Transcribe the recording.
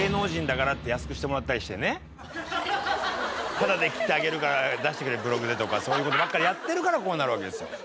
「タダで切ってあげるから出してくれブログで」とかそういう事ばっかりやってるからこうなるわけですよ。